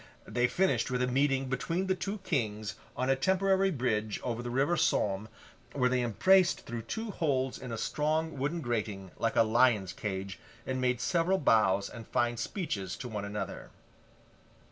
They finished with a meeting between the two Kings, on a temporary bridge over the river Somme, where they embraced through two holes in a strong wooden grating like a lion's cage, and made several bows and fine speeches to one another.